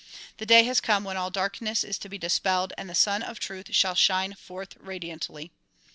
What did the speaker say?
The day has come when all darkness is to be dispelled and the Sun of Truth shall shine forth radiantly.